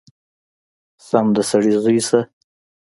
سم د سړي زوی شه!!!